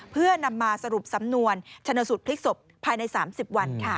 เพื่อนำมาสรุปสำนวนชนสูตรพลิกศพภายใน๓๐วันค่ะ